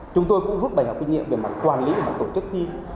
chúng tôi cũng rút bài học kinh nghiệm về mặt quản lý về mặt tổ chức thi